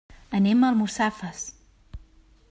Anem a Almussafes.